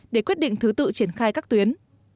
để quyết định thứ tự triển khai các tuyến